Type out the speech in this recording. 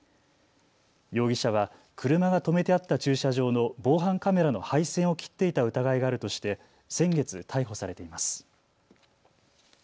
容疑者は車が止めてあった駐車場の防犯カメラの配線を切っていた疑いがあるとして先月、逮捕されています。